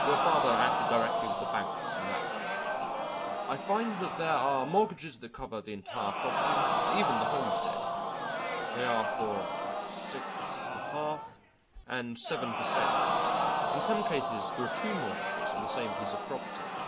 Your father acted directly with the banks in that matter. I find that there are mortgages that cover the entire property, even the homestead. They are for 6 1/2 and 7 per cent. In some cases there are two mortgages on the same piece of property."